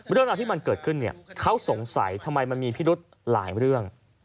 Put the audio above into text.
เรื่องราวที่มันเกิดขึ้นเนี่ยเขาสงสัยทำไมมันมีพิรุธหลายเรื่อง